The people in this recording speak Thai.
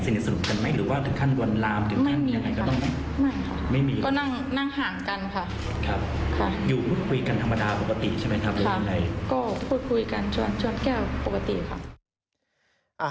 สนิทสรุปกันไหมหรือว่าทั้งขั้นบนลำไม่มีงั้นอยู่ส่วนผักกูั่นพูดพูดกันโชนแก้วปกติค่ะ